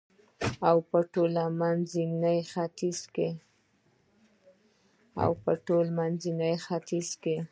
و په ټول منځني ختیځ کې